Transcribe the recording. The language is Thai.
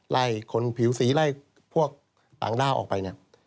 ไล่คนผิวสีไล่พวกต่างด้าวออกไปเนี่ย